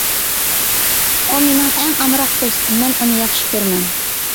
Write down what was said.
ئۇ مېنىڭ ئەڭ ئامراق دوستۇم. مەن ئۇنى ياخشى كۆرىمەن.